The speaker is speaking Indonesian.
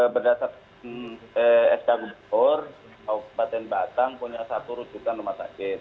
berdasarkan sk gubernur kabupaten batang punya satu rujukan rumah sakit